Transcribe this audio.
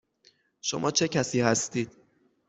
شما چه کسی هستید؟